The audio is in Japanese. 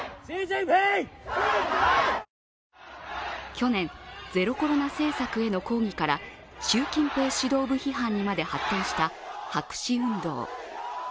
去年、ゼロコロナ政策への抗議から習近平指導部批判にまで発展した白紙運動。